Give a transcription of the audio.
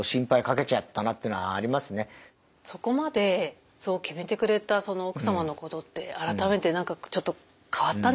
そこまでそう決めてくれたその奥様のことって改めて何かちょっと変わったんじゃないですか？